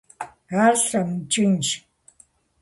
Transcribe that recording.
Ар слъэмыкӀынщ…